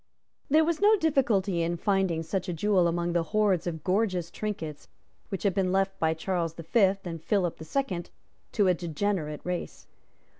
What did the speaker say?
There was no difficulty in finding such a jewel among the hoards of gorgeous trinkets which had been left by Charles the Fifth and Philip the Second to a degenerate race.